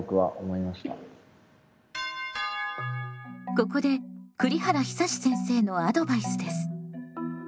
ここで栗原久先生のアドバイスです。